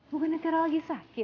bukannya tiara lagi sakit